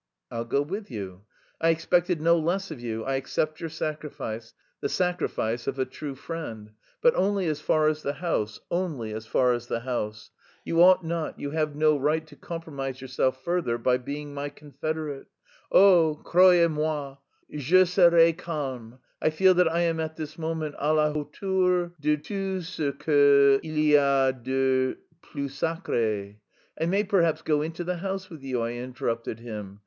"I'll go with you." "I expected no less of you, I accept your sacrifice, the sacrifice of a true friend; but only as far as the house, only as far as the house. You ought not, you have no right to compromise yourself further by being my confederate. Oh, croyez moi, je serai calme. I feel that I am at this moment à la hauteur de tout ce que il y a de plus sacré...." "I may perhaps go into the house with you," I interrupted him.